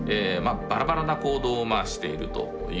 バラバラな行動をしているということですよね。